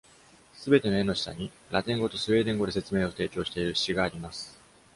全ての絵の下に、ラテン語とスウェーデン語で説明を提供している詩があります。